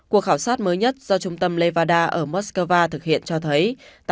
cuộc khảo sát mới nhất do trung tâm nevada ở moscow thực hiện cho thấy